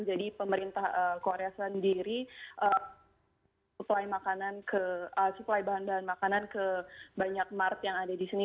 jadi pemerintah korea sendiri supply bahan bahan makanan ke banyak mart yang ada di sini